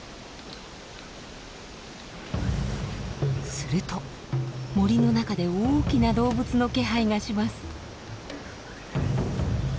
すると森の中で大きな動物の気配がします。